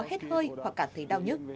hết hơi hoặc cảm thấy đau nhất